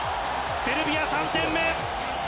セルビア、３点目。